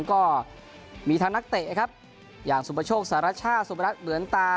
ก็มีทางนักเตะอย่างสุมประโชคสละรัชชาติสุมรักเหวินตา